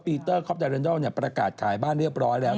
ปีเตอร์คอปดาเรนดอลประกาศขายบ้านเรียบร้อยแล้ว